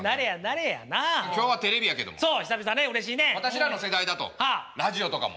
私らの世代だとラジオとかも。